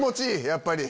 やっぱり。